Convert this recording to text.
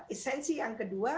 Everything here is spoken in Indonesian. esensi yang kedua